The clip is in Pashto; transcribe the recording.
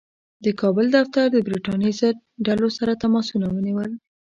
د کابل دفتر د برټانیې ضد ډلو سره تماسونه ونیول.